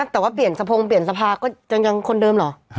แต่ว่าเปลี่ยนสะพงเปลี่ยนสภาก็ยังคนเดิมเหรอ